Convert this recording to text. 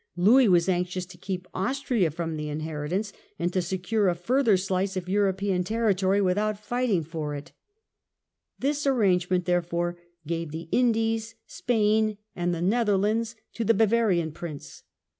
Louis was anxious to keep Austria from the inheritance, and to secure a further slice of European territory without fight ing for it. This arrangement, therefore, gave the Indies, Spain, and the Netherlands to the Bavarian prince.